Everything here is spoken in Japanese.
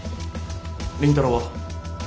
倫太郎は？